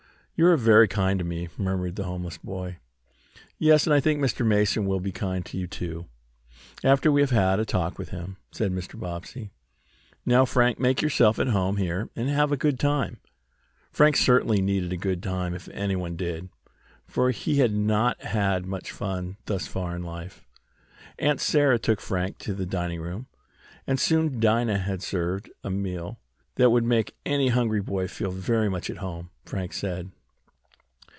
"You are very kind to me," murmured the homeless boy. "Yes, and I think Mr. Mason will be kind to you, too, after we have had a talk with him," said Mr. Bobbsey. "Now, Frank, make yourself at home here, and have a good time." Frank certainly needed a good time if anyone did, for he had not had much fun thus far in life. Aunt Sarah took Frank to the dining room, and soon Dinah had served a meal that would make any hungry boy feel very much at home, Frank said.